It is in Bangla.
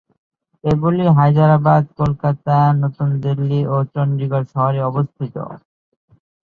এগুলি হায়দরাবাদ, কলকাতা, নতুন দিল্লি ও চণ্ডীগড় শহরে অবস্থিত।